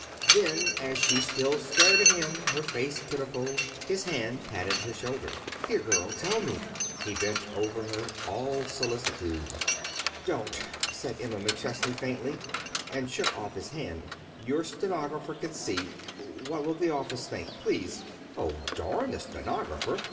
Then, as she still stared at him, her face pitiful, his hand patted her shoulder. "Dear girl, tell me." He bent over her, all solicitude. "Don't!" said Emma McChesney faintly, and shook off his hand. "Your stenographer can see What will the office think? Please " "Oh, darn the stenographer!